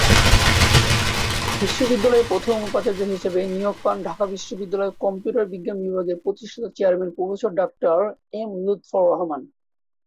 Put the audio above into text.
বিশ্ববিদ্যালয়ের প্রথম উপাচার্য হিসেবে নিয়োগ পান ঢাকা বিশ্ববিদ্যালয়ের কম্পিউটার বিজ্ঞান বিভাগের প্রতিষ্ঠাতা chairman professor doctor M Lutfar Rahman.